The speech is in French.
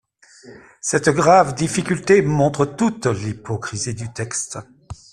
Cette grave difficulté montre toute l’hypocrisie du texte.